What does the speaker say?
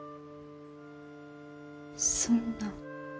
そんな。